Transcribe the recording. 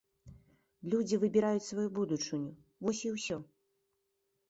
Людзі выбіраюць сваю будучыню, вось і ўсё!